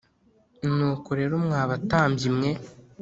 Nuko rero mwa batambyi mwe